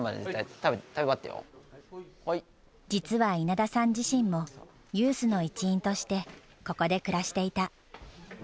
実は稲田さん自身もユースの一員としてここで暮らしていた。